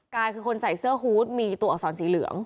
กายคือคนใส่เสื้อฮูตมีตัวอักษรสีเหลือง